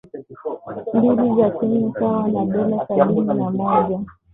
mbili za Kenya sawa na dola sabini na moja